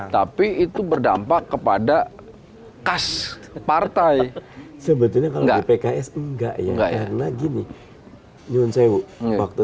tapi itu berdampak kepada khas partai sebetulnya kalau pks enggak ya enggak lagi nih yun sewu waktu